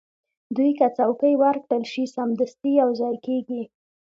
دوی که څوکۍ ورکړل شي، سمدستي یو ځای کېږي.